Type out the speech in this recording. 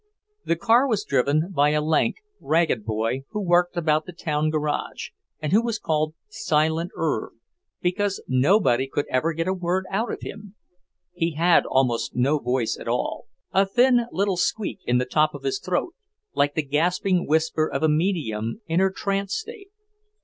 The car was driven by a lank, ragged boy who worked about the town garage, and who was called "Silent Irv," because nobody could ever get a word out of him. He had almost no voice at all, a thin little squeak in the top of his throat, like the gasping whisper of a medium in her trance state.